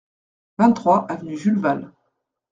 vingt-trois avenue Jules Valles